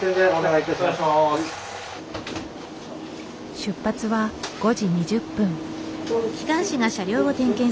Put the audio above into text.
出発は５時２０分。